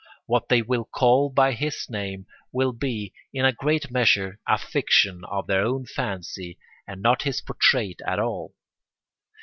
What they will call by his name will be, in a great measure, a fiction of their own fancy and not his portrait at all.